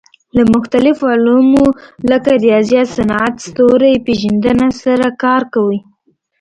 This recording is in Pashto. له مختلفو علومو لکه ریاضیات، صنعت، ستوري پېژندنه سره کار کوي.